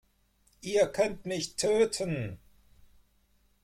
Ihr könnt mich töten.